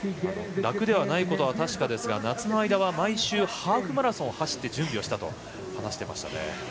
楽ではないことは確かですが夏の間は毎週ハーフマラソンを走って準備をしたと話していましたね。